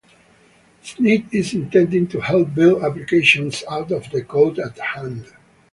Snit is intended to help build applications out of the code at hand.